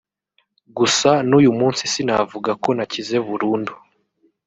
Gusa n’uyu munsi sinavuga ko nakize burundu